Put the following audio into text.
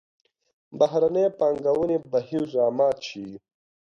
بهرنۍ پانګونې بهیر را مات شي.